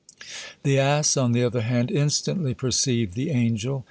The ass, on the other hand, instantly perceived the angel.